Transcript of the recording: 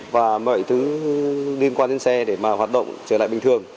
và mọi thứ liên quan đến xe để mà hoạt động trở lại bình thường